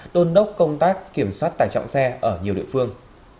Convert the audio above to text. đôn đốc công tác kiểm soát tải trọng xe ở nhiều địa phương